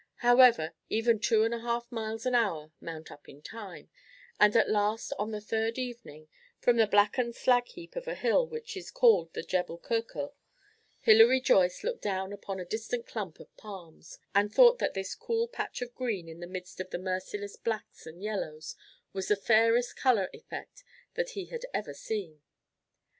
However, even two and a half miles an hour mount up in time, and at last, on the third evening, from the blackened slag heap of a hill which is called the Jebel Kurkur, Hilary Joyce looked down upon a distant clump of palms, and thought that this cool patch of green in the midst of the merciless blacks and yellows was the fairest colour effect that he had ever seen.